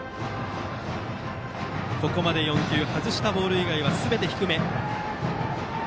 ここまで４球外したボール以外はすべて低め。